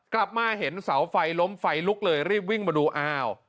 กลับมาเห็นเสาไฟล้มไฟลุกเลยรีบวิ่งมาดูอ้าว